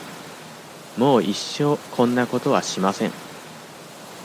もう一生こんなことはしません。